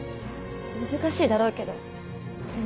難しいだろうけどでも。